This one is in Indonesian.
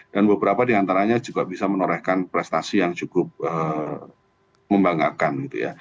dan beberapa diantaranya juga bisa menorehkan prestasi yang cukup membanggakan